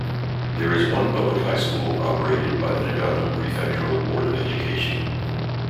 There is one public high school operated by the Nagano Prefectural Board of Education.